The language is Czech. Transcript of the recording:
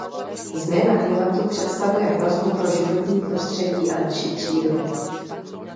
Změna klimatu představuje hrozbu pro životní prostředí a naši přírodu.